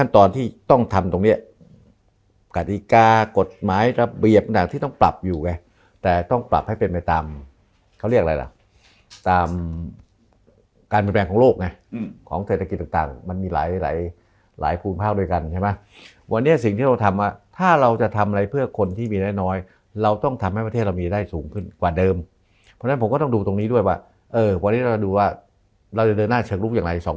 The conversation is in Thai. ต้องปรับให้เป็นในตามเขาเรียกอะไรล่ะตามการเปลี่ยนแปลงของโลกไงของเศรษฐกิจต่างมันมีหลายหลายหลายภูมิภาคด้วยกันใช่ไหมวันนี้สิ่งที่เราทำว่าถ้าเราจะทำอะไรเพื่อคนที่มีแน่น้อยเราต้องทำให้ประเทศเรามีได้สูงขึ้นกว่าเดิมเพราะฉะนั้นผมก็ต้องดูตรงนี้ด้วยว่าเออวันนี้เราดูว่าเราจะเดินหน้าเชิงรุกอย่าง